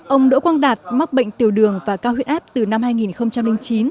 ông đỗ quang đạt mắc bệnh tiểu đường và cao huyết áp từ năm hai nghìn chín